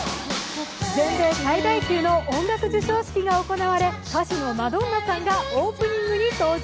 全米最大級の音楽授賞式が行われ、歌手のマドンナさんがオープニングに登場。